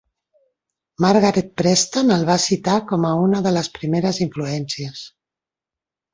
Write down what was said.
Margaret Preston el va citar com a una de les primeres influències.